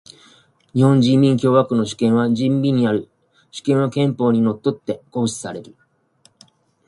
日本人民共和国の主権は人民にある。主権は憲法に則って行使される。